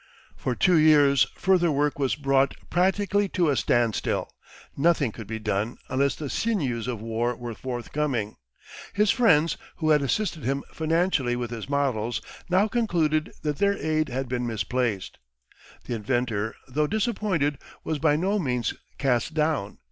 For two years further work was brought practically to a standstill: nothing could be done unless the sinews of war were forthcoming. His friends, who had assisted him financially with his models, now concluded that their aid had been misplaced. The inventor, though disappointed, was by no means cast down.